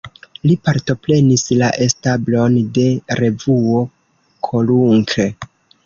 Li partoprenis la establon de revuo "Korunk".